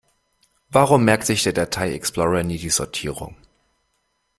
Warum merkt sich der Datei-Explorer nie die Sortierung?